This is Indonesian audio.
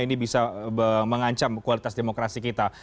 ini bisa mengancam kualitas demokrasi kita